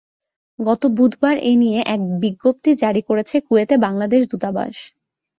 গত বুধবার এ নিয়ে এক বিজ্ঞপ্তি জারি করেছে কুয়েতে বাংলাদেশ দূতাবাস।